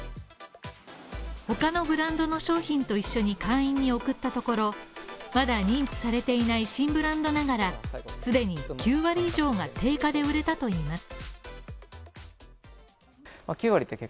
他のブランドの商品と一緒に会員に送ったところ、まだ認知されていない新ブランドながら既に９割以上が定価で売れたといいます。